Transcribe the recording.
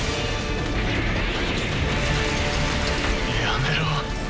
やめろ。